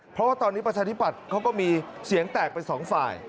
เพราะว่าตอนนี้ประชาธิปัตย์เขาก็มีเสียงแตกไปสองฝ่าย